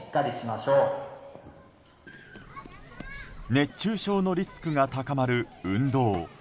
熱中症のリスクが高まる運動。